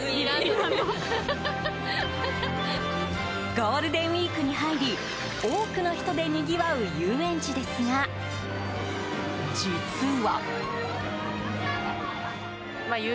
ゴールデンウィークに入り多くの人でにぎわう遊園地ですが実は。